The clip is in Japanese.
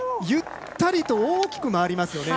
ゆったりと大きく回ります。